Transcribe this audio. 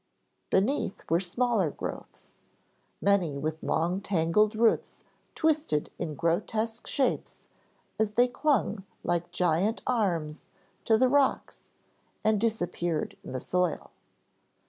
Beneath were smaller growths, many with long tangled roots twisted in grotesque shapes as they clung like giant arms to the rocks and disappeared in the soil.